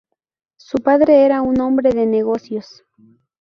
Su padre era un hombre de negocios.